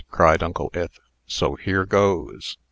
cried Uncle Ith. "So here goes."